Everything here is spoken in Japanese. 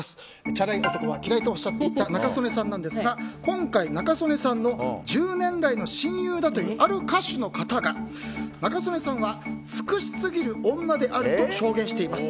チャラい男は嫌いだとおっしゃっていた仲宗根さんですが今回、仲宗根さんの１０年来の親友だというある歌手の方が仲宗根さんは尽くしすぎる女であると証言しています。